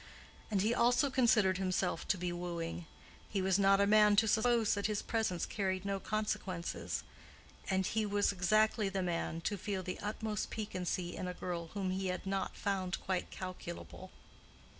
And he also considered himself to be wooing: he was not a man to suppose that his presence carried no consequences; and he was exactly the man to feel the utmost piquancy in a girl whom he had not found quite calculable.